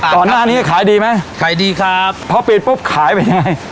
ตอนหน้านี้ขายดีไหมขายดีครับเพราะปิดปุ๊บขายไปยังไง